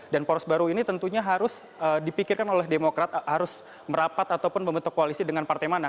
dan poros baru ini tentunya harus dipikirkan oleh demokrat harus merapat ataupun membentuk koalisi dengan partai mana